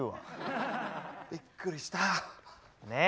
びっくりした。ね。